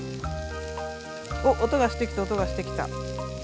お音がしてきた音がしてきた。